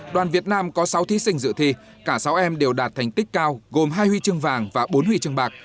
đoàn việt nam có sáu thí sinh dự thi cả sáu em đều đạt thành tích cao gồm hai huy chương vàng và bốn huy chương bạc